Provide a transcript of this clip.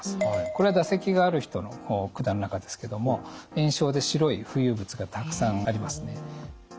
これは唾石がある人の管の中ですけども炎症で白い浮遊物がたくさんありますね。